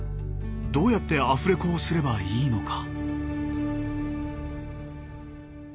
どうやってアフレコをすればいいのか。